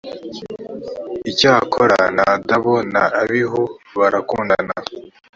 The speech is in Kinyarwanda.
icyakora nadabu na abihu barakundana.